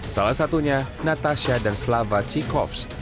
salah satunya natasha dan slava chikovs